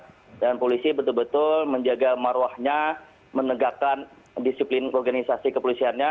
secara transparan dan polisi betul betul menjaga maruahnya menegakkan disiplin organisasi kepolisiannya